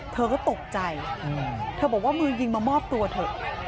เธอก็ตกใจเธอบอกว่ามือยิงมามอบตัวเถอะ